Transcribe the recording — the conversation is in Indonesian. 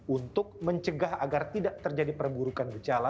untuk mencegah agar tidak terjadi perburukan gejala